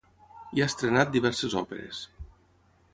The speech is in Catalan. I ha estrenat diverses òperes.